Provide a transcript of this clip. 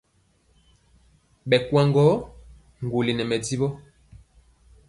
Ɓɛ kwagɔ ŋgolli nɛ mɛdivɔ.